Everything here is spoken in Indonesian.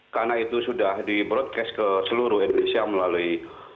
karena itu sudah di broadcast ke seluruh indonesia melalui